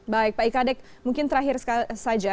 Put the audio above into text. baik pak ika dek mungkin terakhir saja